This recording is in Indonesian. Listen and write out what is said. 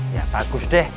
ya bagus deh